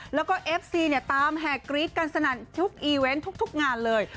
แล้วก็เอฟซีเนี่ยตามแห่กรี๊ดกันสนั่นทุกอีเวนต์ทุกงานเลย